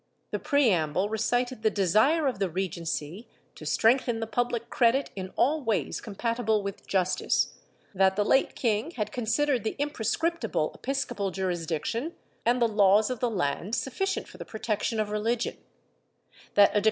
The preamble recited the desire of the Regency to strengthen the public credit in all ways compatible with justice; that the late king had considered the imprescriptible episcopal jurisdiction and the laws of the land sufficient for the protection of religion ; that ' Archive de Alcald, Ministerio de Estado, Leg.